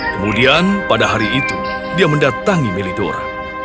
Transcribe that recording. kemudian pada hari itu dia mendatangi melidora